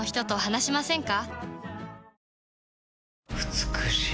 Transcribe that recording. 美しい。